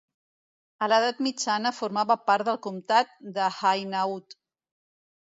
A l'edat mitjana formava part del comtat d'Hainaut.